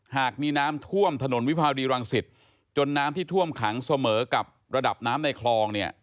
หากมีน้ำท่วมถนนวิภาวดีรังสิตจนน้ำที่ท่วมขังเสมอกับระดับน้ำในคลองเนี่ย